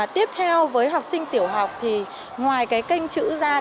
tiếp theo với học sinh tiểu học thì ngoài cái kênh chữ ra